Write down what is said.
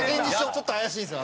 ちょっと怪しいんですよ